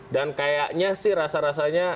dan kayaknya sih rasa rasanya